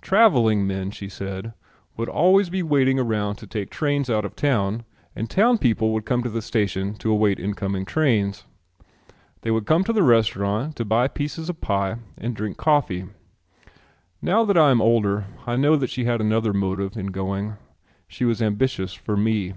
Travelling men, she said, would be always waiting around to take trains out of town and town people would come to the station to await incoming trains. They would come to the restaurant to buy pieces of pie and drink coffee. Now that I am older I know that she had another motive in going. She was ambitious for me.